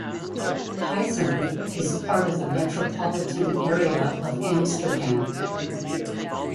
Huizen is part of the metropolitan area of Amsterdam.